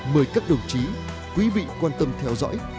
mời các đồng chí quý vị quan tâm theo dõi